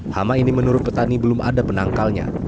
hama ini menurut petani belum ada penangkalnya